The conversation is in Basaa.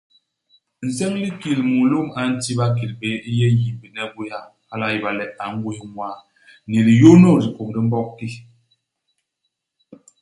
Nseñ u likil mulôm a nti bakil béé u yé yimbne i gwéha. Hala a ñéba le a ngwés ñwaa, ni liyônôs dikôm di Mbog ki.